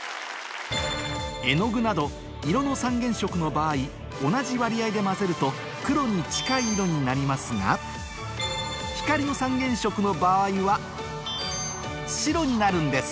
絵の具など色の三原色の場合同じ割合で混ぜると黒に近い色になりますが光の三原色の場合は白になるんです！